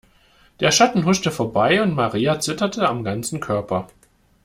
Der Schatten huschte vorbei und Maria zitterte am ganzen Körper.